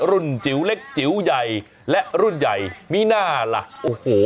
จิ๋วเล็กจิ๋วใหญ่และรุ่นใหญ่มีน่าล่ะโอ้โห